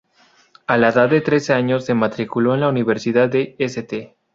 A la edad de trece años se matriculó en la Universidad de St.